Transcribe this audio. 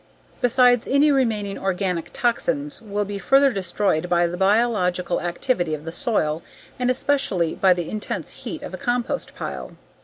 Besides, any remaining organic toxins will be further destroyed by the biological activity of the soil and especially by the intense heat of a compost pile.